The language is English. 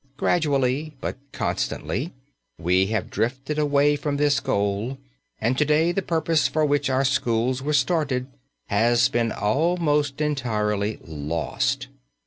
Gradually, but constantly, we have drifted away from this goal and to day the purpose for which our schools were started has been almost entirely lost.